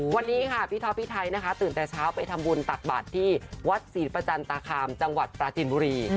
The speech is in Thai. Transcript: วันนี้ค่ะพี่ท็อปพี่ไทยนะคะตื่นแต่เช้าไปทำบุญตักบาทที่วัดศรีประจันตคามจังหวัดปราจินบุรี